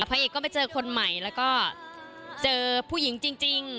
พระเอกก็ไปเจอคนใหม่แล้วก็เจอผู้หญิงจริง